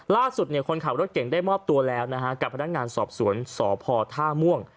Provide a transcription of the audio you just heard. คนขับรถเก่งได้มอบตัวแล้วนะฮะกับพนักงานสอบสวนสพท่าม่วง